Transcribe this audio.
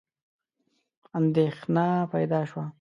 اندېښنه پیدا شوه.